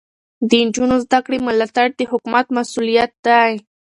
د نجونو زده کړې ملاتړ د حکومت مسؤلیت دی.